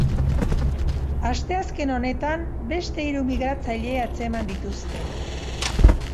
Asteazken honetan beste hiru migratzaile atzeman dituzte.